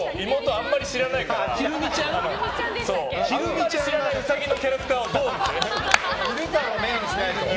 あんまり知らないウサギのキャラクターをドン！って。